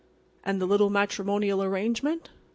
"And the little matrimonial arrangement?"